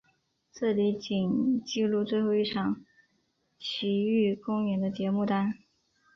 这里仅记录最后一场琦玉公演的节目单。